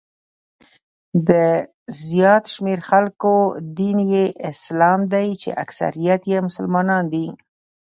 د زیات شمېر خلکو دین یې اسلام دی چې اکثریت یې مسلمانان دي.